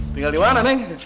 tinggal dimana neng